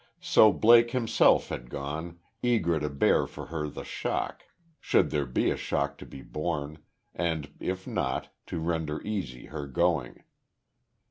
So Blake himself had gone, eager to bear for her the shock, should there be a shock to be borne; and if not, to render easy her going.